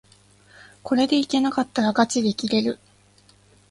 これでいけなかったらがちで切れる